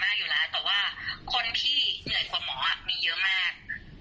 ตอนนี้ที่รู้สึกนะคะคือจริงหมอเหนื่อยมากอยู่แล้ว